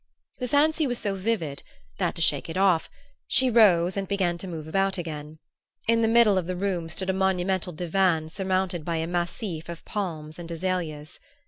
The fancy was so vivid that, to shake it off, she rose and began to move about again. In the middle of the room stood a monumental divan surmounted by a massif of palms and azaleas.